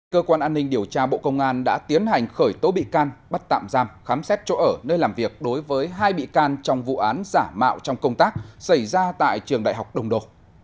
cơ quan an ninh điều tra bộ công an đã tiến hành khởi tố bị can bắt tạm giam khám xét chỗ ở nơi làm việc đối với hai bị can trong vụ án giả mạo trong công tác xảy ra tại trường đại học đông đô